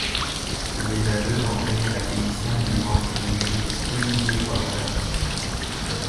Ce désaveu a entraîné la démission du membre du jury Olivier Poivre d'Arvor.